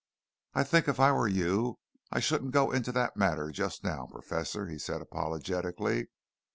"I think if I were you, I shouldn't go into that matter just now, Professor," he said apologetically.